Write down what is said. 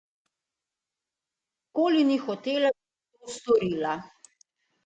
Ne, moja teta nikoli ni hotela, da bi to storila.